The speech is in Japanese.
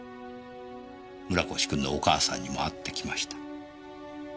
村越君のお母さんにも会ってきました。